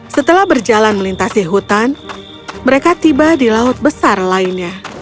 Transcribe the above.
setelah berjalan melintasi hutan mereka tiba di laut besar lainnya